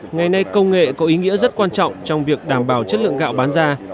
ngày nay công nghệ có ý nghĩa rất quan trọng trong việc đảm bảo chất lượng gạo bán ra